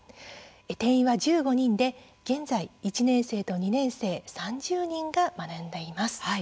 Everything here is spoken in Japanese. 定員は１５人で現在１年生と２年生３０人が学んでいます。